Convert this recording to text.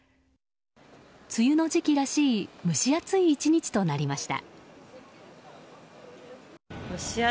梅雨の時期らしい蒸し暑い１日となりました。